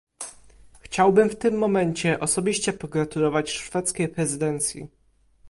Chciałbym w tym momencie osobiście pogratulować szwedzkiej prezydencji